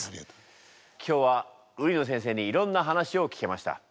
今日は売野先生にいろんな話を聞けました。